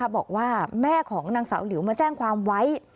บอกว่าแม่ของนางสาวหลิวมาแจ้งความไว้